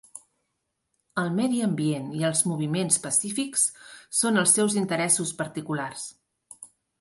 El medi ambient i els moviments pacífics són els seus interessos particulars.